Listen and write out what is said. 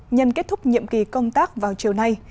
nhân kết thúc nhiệm kỳ công tác vào chiều nay